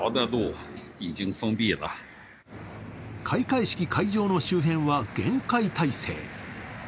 開会式会場の周辺は厳戒態勢。